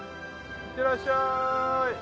いってらっしゃい！